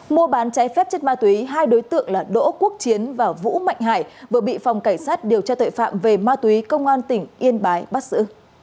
mua bán cháy phép chất ma túy hai đối tượng là đỗ quốc chiến và vũ mạnh hải vừa bị phòng cảnh sát điều tra tội phạm về ma túy công an tỉnh yên bái bắt xử